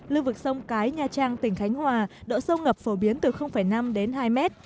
lưu vực sông cái nha trang tỉnh khánh hòa độ sâu ngập phổ biến từ năm đến hai mét